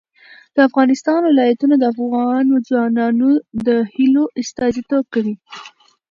د افغانستان ولايتونه د افغان ځوانانو د هیلو استازیتوب کوي.